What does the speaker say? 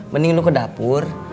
mending lo ke dapur